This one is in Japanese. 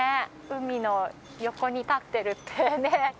海の横に建ってるってね。